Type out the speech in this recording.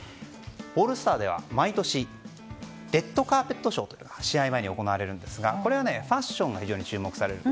オールスターでは毎年レッドカーペットショーが試合前に行われますがファッションが非常に注目される。